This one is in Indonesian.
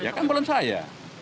ya kan belum saya